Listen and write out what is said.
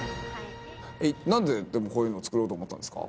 なんででもこういうのを作ろうと思ったんですか？